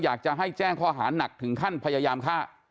มันจะให้แจ้งข้ออาหารหนักถึงขั้นพยายามค่ะ